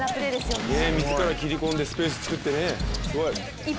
自ら切り込んでスペースを作ってね、すごい。